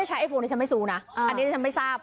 ไม่ใช่มันจะไม่น่าใช่นะอันนี้ใช้มันไปทราบ